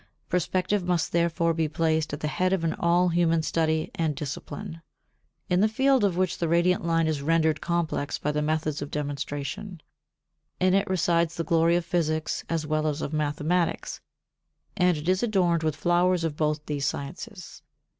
Perspective must therefore be placed at the head of all human study and discipline, in the field of which the radiant line is rendered complex by the methods of demonstration; in it resides the glory of physics as well as of mathematics, and it is adorned with flowers of both these sciences.